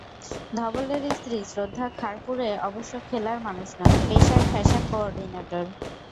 ধবলের স্ত্রী শ্রদ্ধা খারপুড়ে অবশ্য খেলার মানুষ নন, পেশায় ফ্যাশন কো-অর্ডিনেটর।